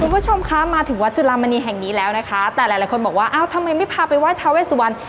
คุณผู้ชมคะมาถึงวัดจุลามณีแห่งนี้แล้วนะคะแต่หลายคนบอกว่าอ้าวทำไมไม่พาไปไห้ทาเวสวัน